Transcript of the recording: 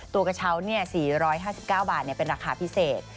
ตัวกระเช้าเนี่ย๔๕๙บาทเนี่ยเป็นราคาพิเศษ